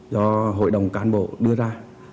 do hội đồng cán bộ đưa ra